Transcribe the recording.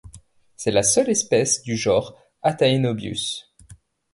C'est la seule espèce du genre Ataeniobius.